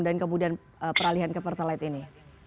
dan kemudian peralihan ke petra lite ini